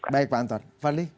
baik pak anton fadli